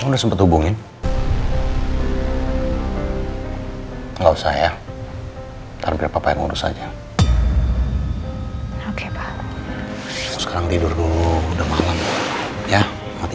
dengan supaya tidak bisa dip zabetsi